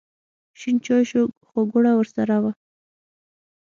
شین چای شو خو ګوړه ورسره وه.